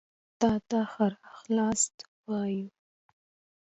تاته ښه راغلاست وايو